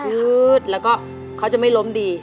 ื๊ดแล้วก็เขาจะไม่ล้มดี